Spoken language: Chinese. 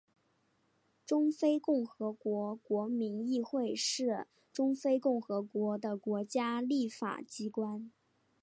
中非共和国国民议会是中非共和国的国家立法机关。